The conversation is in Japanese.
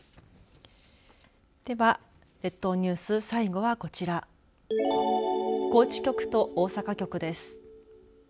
では、列島ニュース最後はこちら高知局と大阪局です。